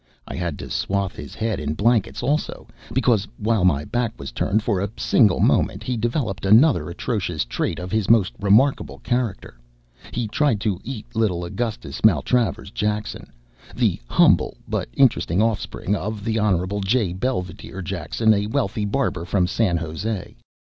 I had to swathe his head in blankets also, because, while my back was turned for a single moment, he developed another atrocious trait of his most remarkable character. He tried to eat little Augustus Maltravers Jackson, the "humble" but interesting offspring of Hon. J. Belvidere Jackson, a wealthy barber from San Jose.